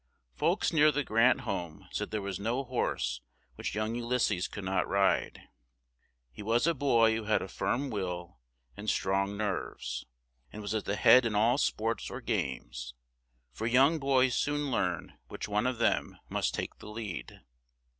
Folks near the Grant home said there was no horse which young U lys ses could not ride; he was a boy who had a firm will and strong nerves; and was at the head in all sports or games; for young boys soon learn which one of them must take the lead.